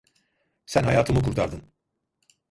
Sen hayatımı kurtardın.